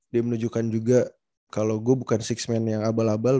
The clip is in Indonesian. dia menunjukkan juga kalau gue bukan enam yang abal abal